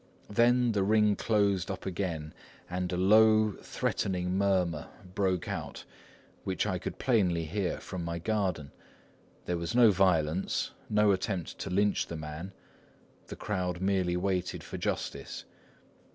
Then the ring closed up again, and a low, threatening murmur broke out which I could plainly hear from my garden. There was no violence, no attempt to lynch the man; the crowd merely waited for justice.